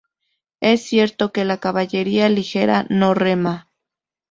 Es cierto que la caballería ligera no rema.